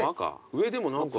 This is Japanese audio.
上でも何か。